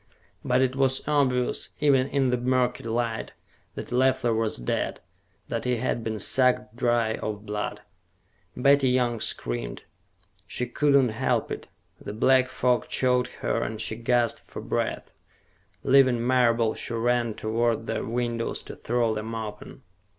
But it was obvious, even in the murky light, that Leffler was dead, that he had been sucked dry of blood. Betty Young screamed. She could not help it. The black fog choked her and she gasped for breath. Leaving Marable, she ran toward the windows to throw them open.